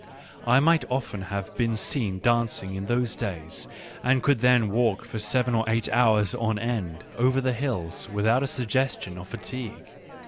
I might often have been seen dancing in those days, and I could then walk for seven or eight hours on end over the hills without a suggestion of fatigue.